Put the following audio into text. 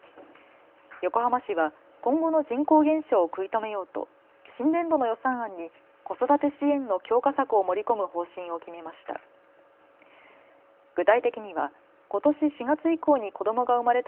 横浜市は今後の人口減少を食い止めようと新年度の予算案に子育て支援の強化策を盛り込む方針を決めました。